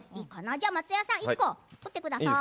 松也さん、１個取ってください。